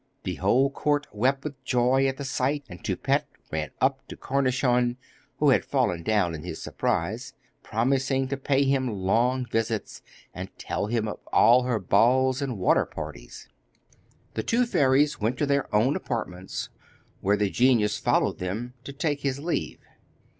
The whole court wept with joy at the sight, and Toupette ran up to Cornichon, who had fallen down in his surprise, promising to pay him long visits, and tell him of all her balls and water parties. The two fairies went to their own apartments, where the genius followed them to take his leave.